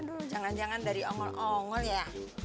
aduh jangan jangan dari ongol ongol ya